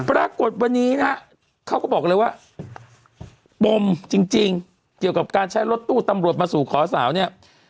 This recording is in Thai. ปรากฏวันนี้นะฮะเขาก็บอกเลยว่าปมจริงเกี่ยวกับการใช้รถตู้ตำรวจมาสู่ขอสาวเนี่ย